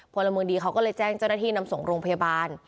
พลเมืองดีเขาก็เลยแจ้งเจ้าหน้าที่นำส่งโรงพยาบาล